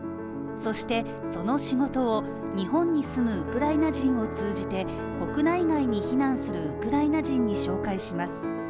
そして、その仕事を日本に住むウクライナ人を通じて国内外に避難するウクライナ人に紹介します。